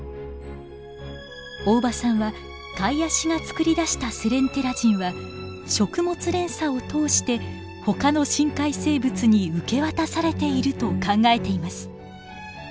大場さんはカイアシがつくり出したセレンテラジンは食物連鎖を通してほかの深海生物に受け渡されていると考えています。